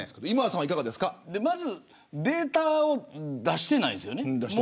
まずデータを出してないです。